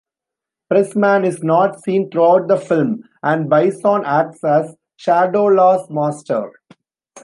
Pressman is not seen throughout the film, and Bison acts as Shadowlaw's master.